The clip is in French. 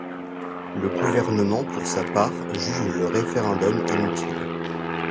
Le gouvernement, pour sa part, juge le référendum inutile.